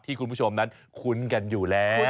คุณผู้ชมนั้นคุ้นกันอยู่แล้ว